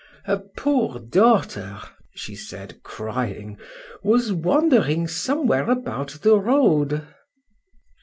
—Her poor daughter, she said, crying, was wandering somewhere about the road.